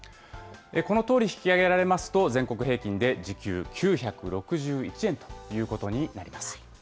このとおり引き上げられますと、全国平均で時給９６１円ということになります。